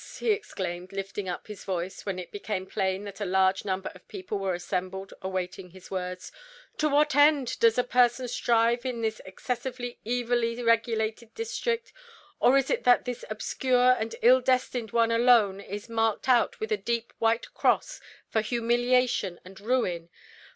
he exclaimed, lifting up his voice, when it became plain that a large number of people was assembled awaiting his words, "to what end does a person strive in this excessively evilly regulated district? Or is it that this obscure and ill destined one alone is marked out as with a deep white cross for humiliation and ruin?